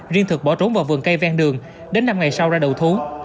riêng thực bỏ trốn vào vườn cây ven đường đến năm ngày sau ra đầu thú